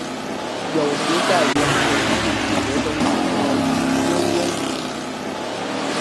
有时在原子物理学中称为微微米。